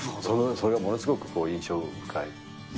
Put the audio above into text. それがものすごく印象深い。